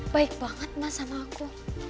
baik banget mas sama aku